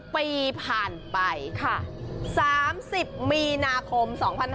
ปีผ่านไปค่ะ๓๐มีนาคม๒๕๖๒